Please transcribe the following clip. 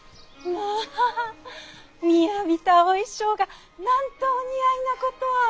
まぁみやびたお衣装がなんとお似合いなこと。